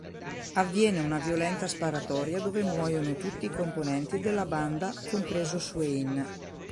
Avviene una violenta sparatoria dove muoiono tutti i componenti della banda compreso Swain.